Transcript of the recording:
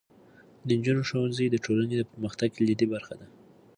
د نجونو ښوونځی د ټولنې د پرمختګ کلیدي برخه ده.